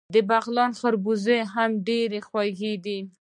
د بغلان خربوزې هم ډیرې خوږې دي.